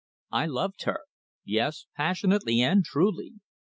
I loved her. Yes, passionately and truly.